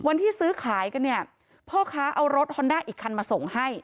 ซื้อขายกันเนี่ยพ่อค้าเอารถฮอนด้าอีกคันมาส่งให้